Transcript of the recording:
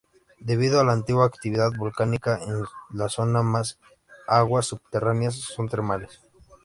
Debido a la antigua actividad volcánica en la zona sus aguas subterráneas son termales.